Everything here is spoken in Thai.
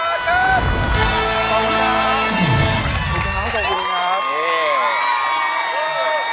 ก็เป็นเพลงของคุณก๊อตนะครับ